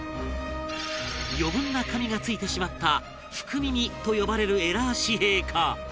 余分な紙が付いてしまった福耳と呼ばれるエラー紙幣か？